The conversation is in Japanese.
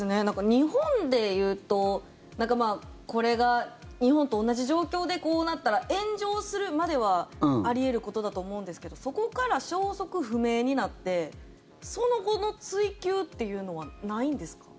日本でいうとこれが日本と同じ状況でこうなったら炎上するまではあり得ることだと思うんですけどそこから消息不明になってその後の追及っていうのはないんですか。